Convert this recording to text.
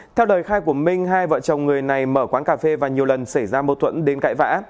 theo lời khai của minh hai vợ chồng người này mở quán cà phê và nhiều lần xảy ra mâu thuẫn đến cãi vã